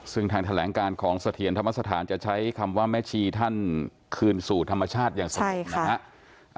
ซึ่งทางแถลงการของเสถียรธรรมสถานจะใช้คำว่าแม่ชีท่านคืนสู่ธรรมชาติอย่างสงบนะฮะ